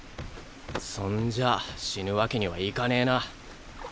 そんじゃ死ぬわけにはいかねぇな。